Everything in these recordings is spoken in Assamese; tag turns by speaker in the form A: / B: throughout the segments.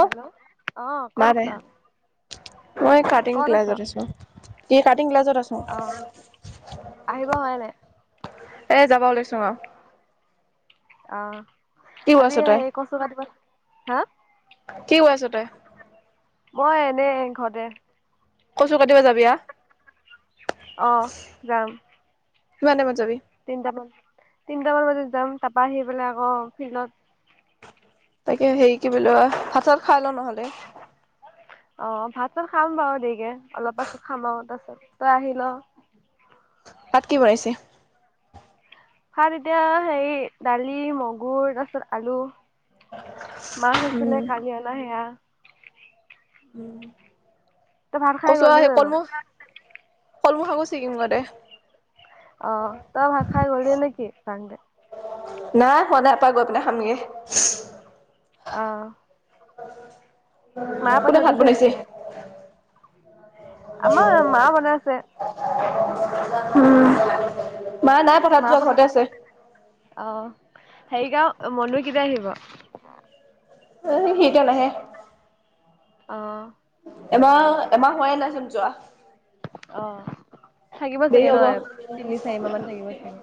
A: হেল্ল' অ কত
B: মাৰে
A: আছা?
B: মই কাটিং
A: ক'ত আছ
B: ক্লাজত আছো ই কাটিং ক্লাজত আছো।
A: অ আহিব হোৱাই নাই?
B: এ যাবা ওলাইছো অঁ!
A: অঁ আজি
B: তই
A: কচু কাতিব হা।
B: কি কৰি আছ তই?
A: মই এনে ঘৰতে।
B: কচু কাটিবা যাবি আ।
A: অঁ, যাম।
B: কিমান টাইমত যাবি?
A: তিনটামান তিনটামান বজাত যাম তাৰপা আহি পেলাই আকৌ ফিল্ডত।
B: তাকে হেৰি কি বুলি কই ভাত চাত খাই লওঁ নহ'লে।
A: অঁ, ভাত চাত খাম বাৰু দেৰিকে অলপ পাছত খাম আৰু তাৰপাছত তই আহি ল।
B: তাত কি বনাইছে?
A: আৰু এতিয়া হে দালি, মগুৰ তাৰপিছত আলু। মাছ আছিলে
B: উম
A: কালি অনা সেয়া।
B: উম!
A: তই ভাত খাই গ'লি জানো?
B: কলমৌ শাকো ছিঙিমগৈ দে
A: অ তই ভা খাই গলি নেকি তানতে।
B: নাই খোৱা নাই ইয়াপৰা গৈ পিনে খামগে।
A: অঁ! মা
B: কোনে
A: পথাৰ
B: ভাত
A: গৈছে
B: বনাইছে
A: নেকি? আমাৰ মা বনাইছে।
B: উম মায় নাই পথাৰ যোৱা ঘৰতে আছে।
A: অ'। হেৰি গাওঁ মানুহ কেতিয়া আহিব‌?
B: উ সি এতিয়া নাহে,
A: অ
B: এমাৰ এমাহ হোৱা নাইচোন যোৱা
A: অ থাকিব
B: দেৰি
A: চাগে
B: হ'ব
A: নয় তিনি চাৰি মাহ মান থাকিব চাগে।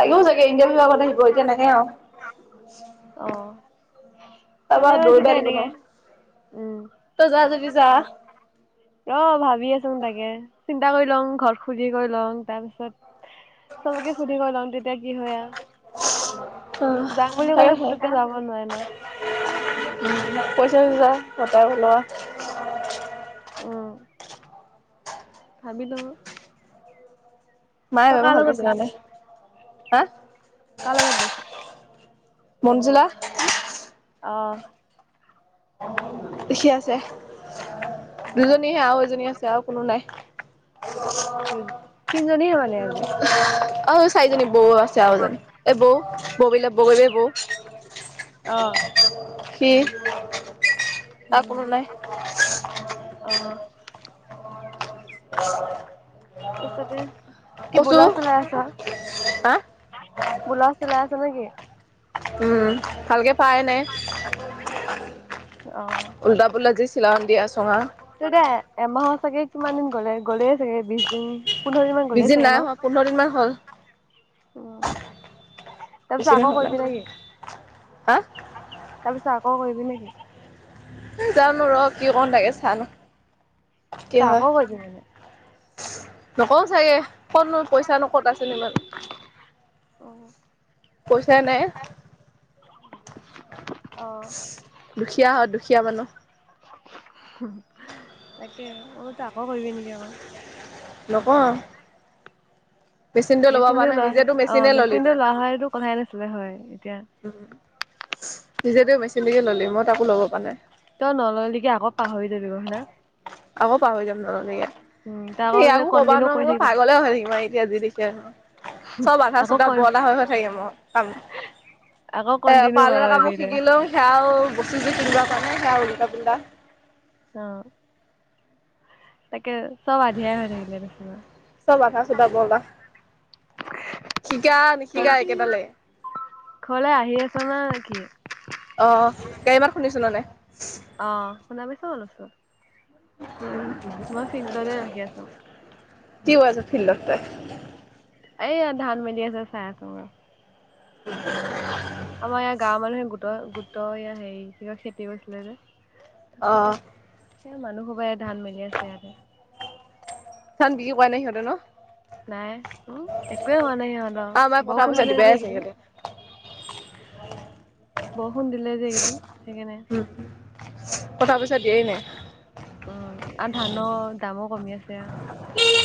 B: লাগিবও চাগে ইণ্টিয়াৰ বিভাগত আহিব এতিয়া
A: অ'।
B: আৰু
A: ভালে
B: তাৰপৰা
A: হৈছে দে
B: দৌৰবাৰিক
A: এনেকে।
B: ন
A: উম।
B: তই যাওঁ যদি যা
A: অ ভাবি আছো ম তাকে চিন্তা কৰি লওঁ ঘৰত খুুজি কৰি লওঁ তাৰ পিছত চবকে সুধি লওঁ তেতিয়া কি হয় আহ
B: অ হয় হয়ে
A: পুতুককে যাব নোৱাৰে ন।
B: পইচা নি যা সতাৰ ওলোৱা
A: ভাবিলো
B: মায়ে বেমাৰ ভাল পাইছে নে নাই হা
A: কাৰ লগত গৈছ?
B: মঞ্জোলা
A: অঁ
B: দেখি আছে দুজনীহে আৰু এজনী আছে আৰু কোনো নাই
A: উ তিনিজন
B: অ চাৰিজনী বৌ আছে আৰু এজনি এই বৌ বৌবলাক বৌবে বৌ
A: আহ
B: কি ত কোনো নাই
A: অ',
B: অ
A: তছ কি বল চ ল আছা
B: হা
A: ব [unintelligible] চলাই আছ নেকি
B: উম ভালকে পাই নাই উল্টা পো্লাজি চলা উ দিয়া চঙা
A: তে দে এমাহৰ চাগে কিমান দিন গ'লে গ'লেই চাগে বিশ দিন পোন্ধৰ দিন মান গলে
B: বিজি
A: চাগে
B: নাই
A: ন
B: হোৱা পোন্ধৰ দিন মান হ'ল
A: উ তাৰ
B: বেছি
A: পিছত
B: দিন
A: আকৌ
B: হোৱা নাই
A: কৰীবি না কি
B: হা
A: তাৰ পিছত আকৌ কৰিবি নেকি?
B: জানো ৰ কি কও তাকে চাই লওঁ। কি
A: তই
B: হয়
A: আকৌ কৰিবি নেকি?
B: নকওঁ চাগে কটনো পইচানো কত আছে নো ইমান?
A: অ',
B: পইচাই নাই।
A: [inaudible]
B: দুখীয়া হয় দুখীয়া মানুহ।
A: তাকে মোৰতো আকৌ কৰিবি নেকি আকৌ?
B: নকওঁ আও।
A: মেচিনটো লোৱা
B: নিজেতো
A: অ
B: মেচিনে ললি
A: মেচিনটো
B: তই
A: লোৱা হয়টো কথাই নাছিলে হয় এতিয়া, [inaudible]
B: নিজেতো মেচিন টোকে ললি মই তাকো ল'ব প পৰা নাই
A: তই নললিগে আকৌ পাহৰি থাকিব হয় না,
B: আকৌ পাহৰি যাম নললিগে,
A: উম, তই
B: স
A: আকৌ যেতিয়া
B: আকো কবা
A: কণ্টিনিউ
B: নোৱাৰো
A: কৰি
B: মোৰ
A: থাকিবি,
B: পাগলে হৈ থাকিম আৰু এতিয়া যি দেখি [unintelligible] চব আধা
A: আকৌ
B: চোধা
A: কন
B: বলা হৈ হৈ থাকি মই কাম
A: আকৌ
B: [unintelligible] এ
A: কণ্টিনিউ কৰা
B: পাৰ্লৰ কামো
A: ভাবি দে
B: শিকিলো সেয়াও বস্তু চষ্টো কিনিব গাওঁ ওলটা পোলটা
A: অ তে চব আধিয়াই হৈ থাকিলে নিছিনা।
B: চব আধা চোধা বৰলা শিকা নিশিকা একেটালৈ
A: ঘৰলে আহি আছ না নে কি
B: অ গাড়ী ইমান শুনিছো নানে।
A: অঁ শুনা পাইছো অলপ মই ফিল্ডতে ৰখি আছো
B: কি কই আছ ফিল্ডত তই [unintelligible]
A: এইয়া ধান মেলি আছে চাই আছো আমাৰ ইয়াৰ গাঁৱৰ মানুহে গোটেই গোট গোটৰয়া হেৰি খেতি কৰিছিলে যে
B: অ
A: তাৰতে স মানুহবাই ধান মেলি আছে ইয়াতে
B: বিকি পোৱা নাই সিহতে ন [unintelligible]
A: নাই উম একোৱে হোৱা নাই সিহঁত
B: অ আমাৰ কটা
A: বৰষুন
B: পইচা
A: দিলে
B: দিবাই
A: যে
B: আছে
A: এইকেইদিন
B: সিহঁতে।
A: বৰষুণ দিলে যে এইকেইদিন সেইকাৰণে
B: কথা পইচা দিয়াই নাই [unintelligible]
A: উম আৰু ধানৰ দামো কমি আছে।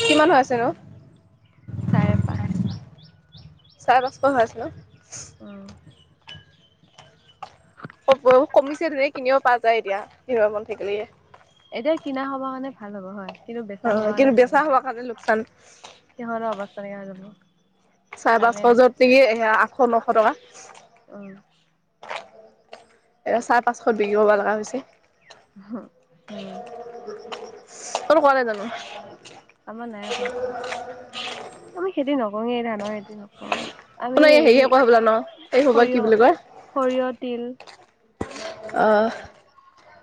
B: কিমান হৈ আছে ৰ
A: চাৰে পাঁচ।
B: চাৰেপাচশই হৈ আছে ন!
A: অঁ
B: কমিছে ধুনিয়াকে কিনিওঁ পা যায় এতিয়া কিনিব মন থাকিলে
A: এতিয়া কিনা হব কাৰাণে ভাল হ'ব হয়। কিন্তু বেচা হ'বৰ
B: অঁ'
A: কাৰণে
B: কিন্তু
A: ভাল
B: বেচা হোৱা
A: নহয়।
B: কাৰণে লোকচান।
A: তনেকা যাব।
B: চাৰে
A: দামেই নাই
B: পাঁচশজৰ সেয়া আঠশ-নশ টকা।
A: উম,
B: এয়া চাৰ পাঁচশত বিক্ৰী হব লগা হৈছে।
A: হম, উম।
B: ত'কলে জানো?
A: আমাৰ নাই কৰা। আমি খেতি নকৰোয়ে এই ন এদিন অকমান। আমি
B: আপোনাৰ
A: এই
B: হেৰিয়ে কৰে হ'বলা ন? এই সোপা কি
A: সৰিয়
B: বুলি কয়
A: সৰিয়হ তিল
B: অঁ'।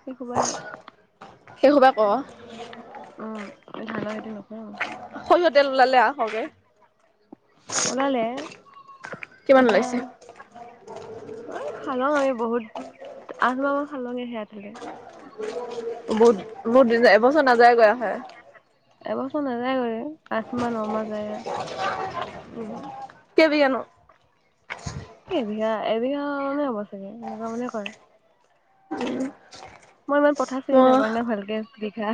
A: তকবাৰ
B: সেই সুবা কৰ?
A: উম, ধান খেতি নকৰা।
B: সৰিহঁতেল ওলালে আওঁ হয়গে।
A: ওলালে
B: কিমান ওলাইছে?
A: অঁ' খালং আমি বহুত আন মাহ খালঙে সেয়া তেলে।
B: বুত বহুত এবছৰ নাযায় গৈ আহে।
A: এবছৰ নাযায় গ আঠ মাহ ন মাহ যায়।
B: কে কেজি আনো!
A: এবিঘা, এবিঘা মানে হ'ব চাগে এনেুৱা মানে কৰে।
B: উম।
A: মই ইমান কথা চিনি নাপাওঁ না ভালকে বিঘা।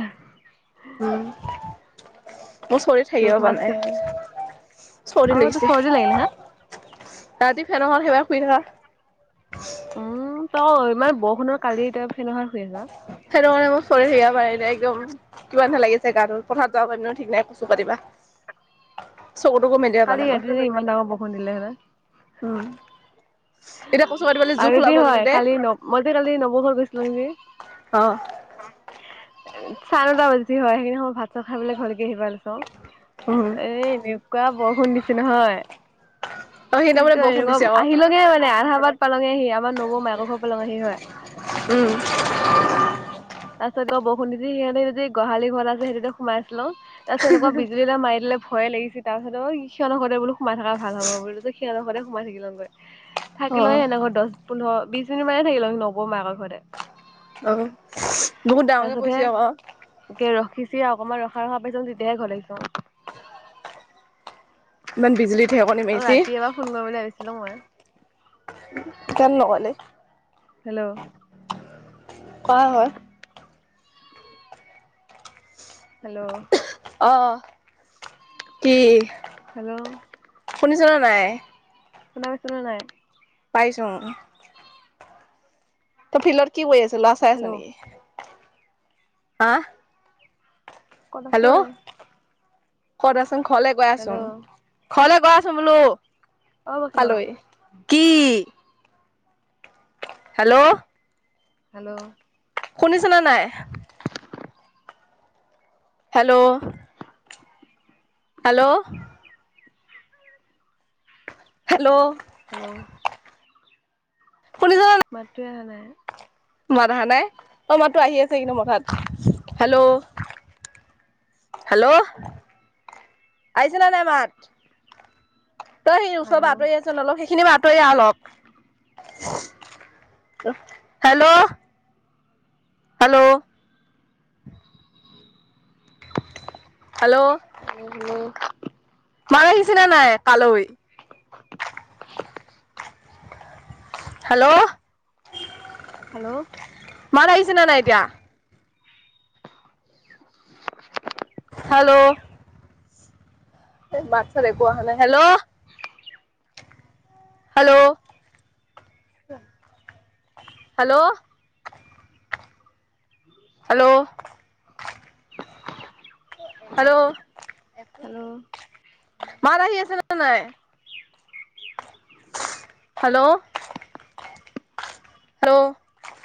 B: উম মোৰ চৰদি থাকিব নাই
A: চিনি
B: চৰদি
A: আৰু তোৰ
B: লাগিছে।
A: চৰ্দি লাগিলে হা
B: ৰাতি ফেনৰ সেয়াত শুই থাকা।
A: উম', তই ইমান বৰষুণৰ কালি এতি ফে অহাৰ শুই আছা।
B: সেইটো কাৰণে মোৰ চৰি সে পাৰ একদম কিমানহ লাগিছে গা পথাত যোৱা প ঠিক নাই কছু কাটিব।
A: [unintelligible] কালিয এ ৰাতি ইমান ডাঙৰ বৰখোন দিলে।
B: উম এতিয়া কচু কাটিবলে জোখ
A: আৰু দি
B: ওলাব কিন্তু
A: হয়।
B: দেই
A: কালি ন মইতো কালি নৱঘৰত গৈছিলো যে।
B: অঁ'।
A: চাৰেটা বাজি হয় সেইখিনি সময় ভাত চা খাই পেলাই ঘৰকে আহি পাল।
B: উম
A: এনেকুৱা বৰষুণ দিছে নহয়।
B: অ
A: কি
B: সেইদিনা বোলে
A: কয়
B: বৰষুণ
A: এৰকম
B: দিছে আকৌ
A: আহিলোঙে মানে। আধা-বাত পালঙে আহি আমাৰ নবৌ মাক ঘৰ পালং আহি হয়।
B: উম।
A: তাৰ পিছত গ বৰষুণ তিতি সিহে যদি গোহালি ঘৰত আছে সেইটোতে সোমাইছিলো। তাৰ পিছত তেনেকুৱা বিজুলী এটা মাৰ দিলে ভয়ে লাগিছে তাৰ পিছত সিহঁৰ ঘৰতে বোলো সোমাই থকা ভাল হব বোলো সিহঁৰ ঘৰতে সোমাই থাকি লওঁগৈ।
B: অ
A: থাকিলে এনে ঘৰ দহ পোন্ধৰ বিশ মিনিট মানে থাকিলে ন বৌ মাকৰ ঘৰতে।
B: আহ' বহুত ডাঙৰকে পৰিছে ক
A: চিয়া অকনমান ৰখা -ৰখা পাইছো তেতিয়াহে ঘৰ আহিছো।
B: ইমান বিজুলী ঢেৰেকণি মাৰিছে।
A: ৰাতি এবাৰ ফোন কৰিম বুলি ভাবিছিলোঁ মই।
B: কেনে নকলে?
A: হেল্ল'।
B: কোৱা হয়?
A: হেল্ল'।
B: অ'কি?
A: হেল্ল'।
B: শুনিছা নে নাই?
A: শুনা পাইছা নে নাই।
B: পাইছোঙ তই ফিল্ডত কি কৰি আছে লৰা চাই আছ
A: হেল্ল'
B: নেকি হা
A: কত আছ ঐ
B: হেল্ল' কত আচোন ঘৰলে গৈ আছো
A: হেল্ল'
B: ঘৰলে গৈ আছোঙ বোলো
A: অ' পখিলা বা।
B: কালৈ কি হেল্ল'
A: হেল্ল'
B: শুনিছ নে নাই হেল্ল' হেল্ল' হেল্ল'
A: হেল্ল
B: শুনিছ
A: মাতোৱে অহা নাই
B: মাত অহা নাই অ মাতো আহি আছে কিন্তু মঠাত হেল্ল'
A: [inaudible]
B: হেল্ল' আহিছে নে নাই মাত তই সি ওচৰ পা
A: হেল্ল'
B: আতৰি আহছোন অলপ সেইখিনি পা আতৰি আ অলপ হেল্ল' হেল্ল'
A: হেল্ল হেল্ল
B: মাত আহিছেনা নাই কালৈ
A: [inaudible]
B: হেল্ল'
A: হেল্ল'
B: মাত আহিছে ন নাই এতিয়া
A: [inaudible]
B: হেল্ল' এ মাত চাত একো অহা নাই hello hello hello hello hello
A: hello
B: মাত আহি আছে নে নাই? Hello. Hello
A: [inaudible]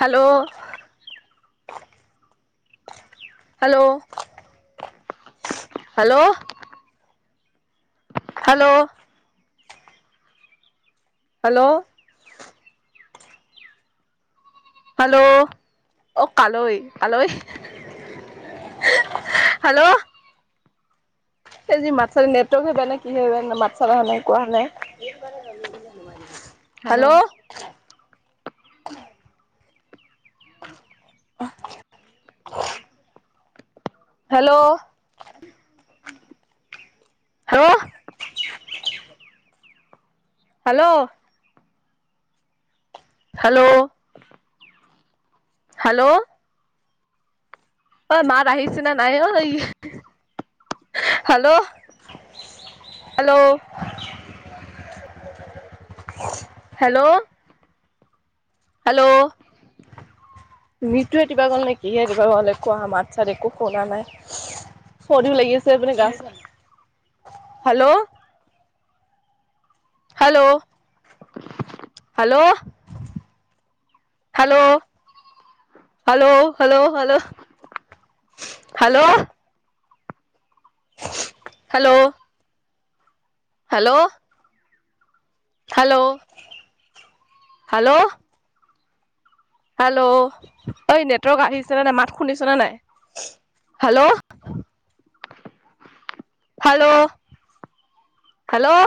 B: hello. Hello, hello. Hello. Hello. Hello. অ কালৰি কালৰি হেল্ল'। সেই যি মাত চাতে নাই। নেটৱৰ্ক হে বেয়া নে, কি হে বেয়া? মাত চাত
A: হেল্ল'
B: আহা নাই, একো অহা নাই। হেল্ল'। আহ। হেল্ল'। হ'। হেল্ল'। হেল্ল'। হেল্ল'। অ মাত আহিছে নে নাই অই। হেল্ল'। হেল্ল'। হেল্ল'। হেল্ল'। নিটতোয়ে কিবা গ'ল নে, কিহে কিবা গ'ল? একোৱা মাতছাত একো শুনা নাই। চৰ্দিও লাগি আছে এপিনে গা চা, hello. Hello. Hello, hello. Hello -hello, hello -hello. Hello. Hello. Hello, hello. Hello, ঐ নেটৱৰ্ক আহিছে নে নাই? মাত শুনিছনে নাই? হেল্ল'। Hello, hello.